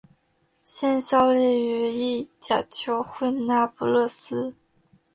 现效力于意甲球会那不勒斯。